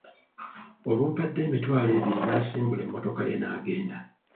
Olumpadde emitwalo ebiri n'asimbula emmotoka ye n'agenda.